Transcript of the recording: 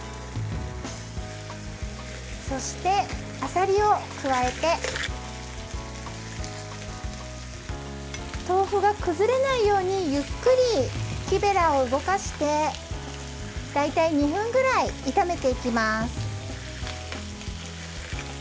そして、あさりを加えて豆腐が崩れないようにゆっくり木べらを動かして大体２分くらい炒めていきます。